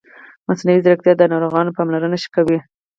مصنوعي ځیرکتیا د ناروغانو پاملرنه ښه کوي.